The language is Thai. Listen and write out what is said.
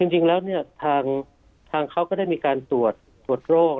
จริงแล้วทางเขาก็ได้มีการตรวจตรวจโรค